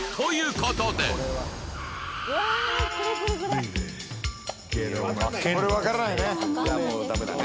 「これわからないね」